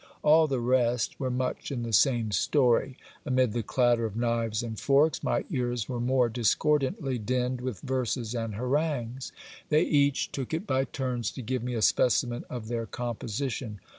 All the rest were much in the same story. Amid the clatter of knives and forks, my ears were more discordantly dinned with verses and harangues. They each took it by turns to give me a specimen of their composition.